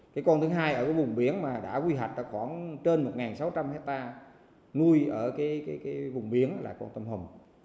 cái con thứ hai ở cái vùng biển mà đã quy hoạch khoảng trên một sáu trăm linh hectare nuôi ở cái vùng biển là con tôm hùm